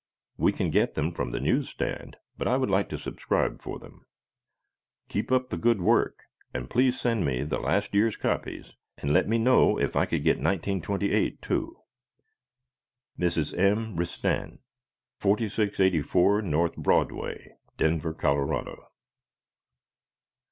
We can get them from the newsstand but I would like to subscribe for them. Keep up the good work and please send me the last year's copies and let me know if I could get 1928, too. Mrs. M. Ristan, 4684, No. Broadway, Denver, Colorado.